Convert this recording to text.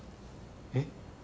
えっ？